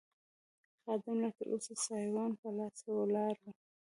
خادم لا تراوسه سایوان په لاس ولاړ و.